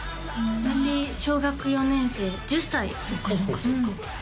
私小学４年生１０歳ですね